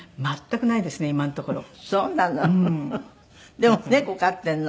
でも猫飼ってるの？